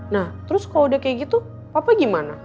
nah terus kalau udah kayak gitu papa gimana